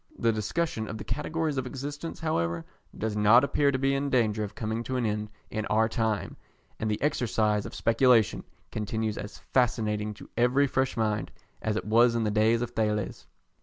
The discussion of the categories of existence, however, does not appear to be in danger of coming to an end in our time, and the exercise of speculation continues as fascinating to every fresh mind as it was in the days of Thales.